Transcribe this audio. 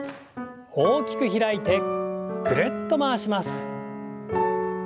大きく開いてぐるっと回します。